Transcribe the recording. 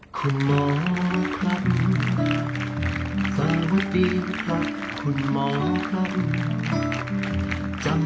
คุณหมอครับทุกคนทางสารแพทย์คุณหมอครับผม